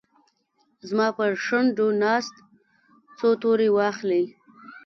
زما پرشونډو ناست، څو توري واخلې